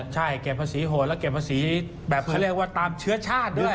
ใช่เก็บภาษีโหดแล้วเก็บภาษีแบบเขาเรียกว่าตามเชื้อชาติด้วย